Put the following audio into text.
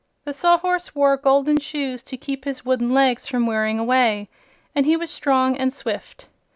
The Sawhorse wore wooden shoes to keep his wooden legs from wearing away, and he was strong and swift.